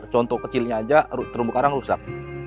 contoh kecilnya aja terumbu karang rusak